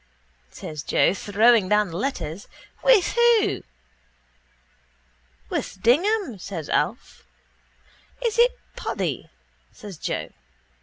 says Joe, throwing down the letters. With who? —With Dignam, says Alf. —Is it Paddy? says Joe.